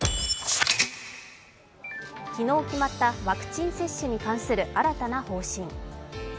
昨日決まったワクチン接種に関する新たな方針。